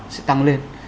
sẽ tăng lên